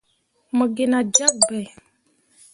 Mo gi nah jyak bai.